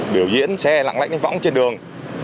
biểu diễn xe lặng lẽnh lên võng trên đường